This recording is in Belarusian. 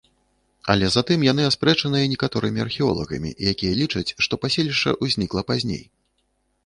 Але затым яны аспрэчаныя некаторымі археолагамі, якія лічаць, што паселішча ўзнікла пазней.